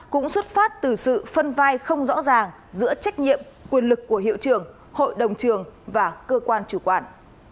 cũng xuất phát từ sự phân vai không rõ ràng giữa trách nhiệm quyền lực của hiệu trưởng hội đồng trường và cơ quan chủ quản